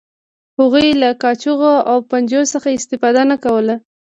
هغوی له کاچوغو او پنجو څخه استفاده نه کوله.